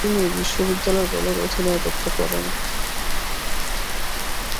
তিনি বিশ্ববিদ্যালয় দলের অধিনায়কত্ব করেন।